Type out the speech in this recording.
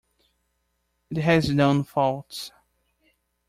It has known faults.